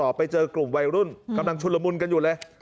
ตรวจสอบไปเจอกลุ่มวัยรุ่นกำลังชุดระมุนกันอยู่เลย